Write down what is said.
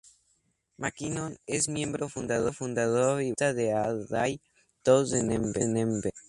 McKinnon es miembro, fundador y vocalista de A Day to Remember.